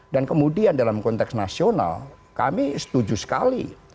kemudian dalam konteks nasional kami setuju sekali